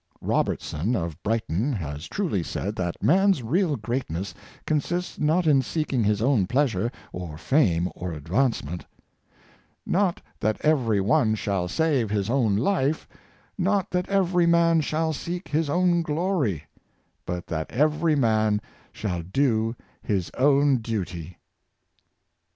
Rob ertson, of Brighton, has truly said, that man's real greatness consists not in seeking his own pleasure, or fame, or advancement —" not that every one shall save his own life, not that every man shall seek his own glory — but that every man shall do his own duty."